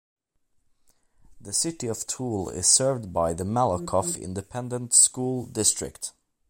The City of Tool is served by the Malakoff Independent School District.